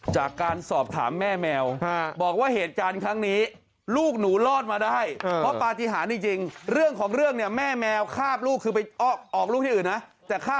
จากการสอบถามแม่แมวบอกว่าเหตุการณ์ครั้งนี้ลูกหนูรอดมาได้เพราะปลา